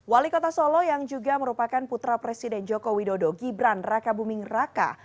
wali kota solo yang juga merupakan putra presiden joko widodo gibran raka buming raka